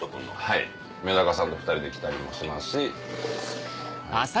はいめだかさんと２人で来たりもしますし。